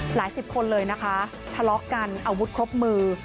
สิบคนเลยนะคะทะเลาะกันอาวุธครบมือ